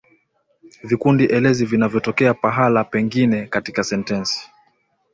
Vikundi elezi vinavyotokea pahala pengine katika sentensi